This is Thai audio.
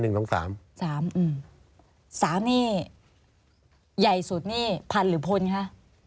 ๓อืม๓นี่ใหญ่สุดนี่พันหรือพนฮะ